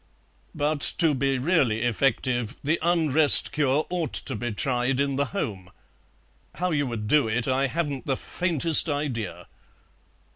But, to be really effective, the Unrest cure ought to be tried in the home. How you would do it I haven't the faintest idea."